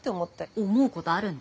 思うことあるんだ。